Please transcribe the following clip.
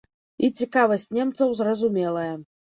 І цікавасць немцаў зразумелая.